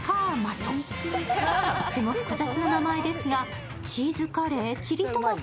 とっても複雑な名前ですが、チーズカレー？チリトマト？